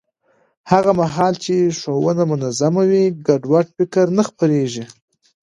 هغه مهال چې ښوونه منظم وي، ګډوډ فکر نه خپرېږي.